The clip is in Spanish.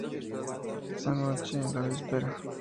Esa noche es la víspera.